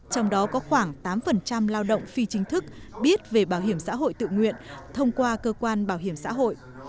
trong đó có khoảng tám lao động phi chính thức biết về bảo hiểm xã hội tự nguyện thông qua cơ quan bảo hiểm xã hội